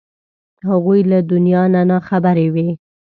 هغوی له دنیا نه نا خبرې وې.